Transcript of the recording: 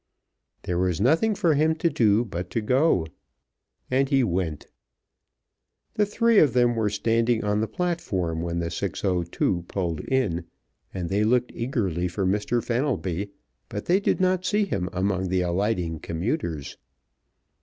There was nothing for him to do but to go, and he went. The three of them were standing on the platform when the 6:02 pulled in, and they looked eagerly for Mr. Fenelby, but they did not see him among the alighting commuters.